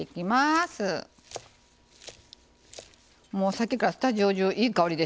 さっきからスタジオ中いい香りですよね。